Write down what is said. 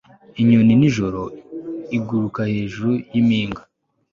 inyoni nijoro iguruka hejuru yimpinga